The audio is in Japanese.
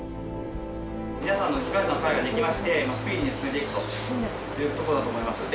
皆さんの被害者の会ができましてスピーディーに進めていくというところだと思いますので。